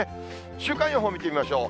週間予報を見てみましょう。